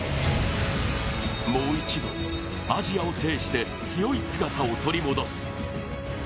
もう一度、アジアを制して強い姿を取り戻す。